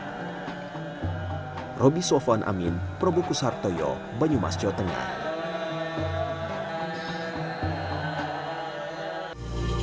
jemaah masjid saka tunggal ini seringkali dalam awal bulan puasa ramadhan dan lebaran